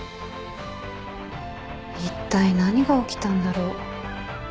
いったい何が起きたんだろう。